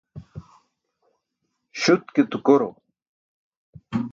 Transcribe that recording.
Śut ke tukoro.